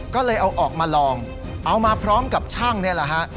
ก็เลยเอาออกมาลองเอามาพร้อมกับช่างนี่แหละฮะ